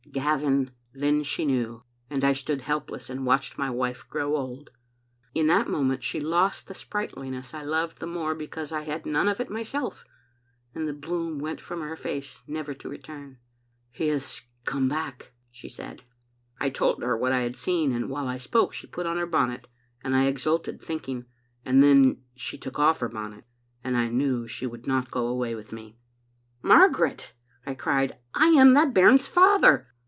"Gavin, then she knew; and I stood helpless and watched my wife grow old. In that moment she lost the sprightliness I loved the more because I had none of it myself, and the bloom went from her face never to return. "*He has come back,' she said. " I told her what I had seen, and while I spoke she put on her bonnet, and I exulted, thinking — and then she took off her bonnet, and I knew she would not go away with me. "* Margaret,' I cried, *I am that bairn's father.'